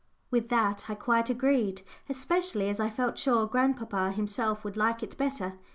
With that I quite agreed, especially as I felt sure grandpapa himself would like it better.